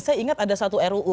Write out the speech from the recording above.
saya ingat ada satu ruu